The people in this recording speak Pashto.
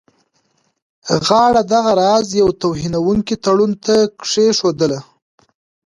غاړه دغه راز یوه توهینونکي تړون ته کښېښودله.